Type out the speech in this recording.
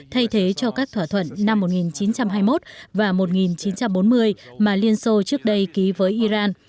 thay thế cho các thỏa thuận năm một nghìn chín trăm hai mươi một và một nghìn chín trăm bốn mươi mà liên xô trước đây ký với iran